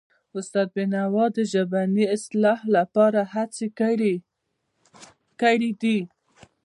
استاد بینوا د ژبني اصلاح لپاره هڅې کړی دي.